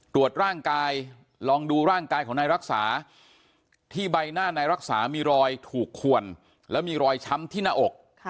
ตรวจร่างกายลองดูร่างกายของนายรักษาที่ใบหน้านายรักษามีรอยถูกขวนแล้วมีรอยช้ำที่หน้าอก